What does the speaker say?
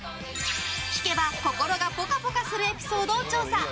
聞けば心がぽかぽかするエピソードを調査。